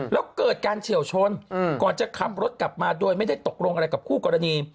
แล้วเกิดการเฉียวชนก่อนจะขับรถกลับมาโดยไม่ได้ตกลงอะไรกับคู่กรณี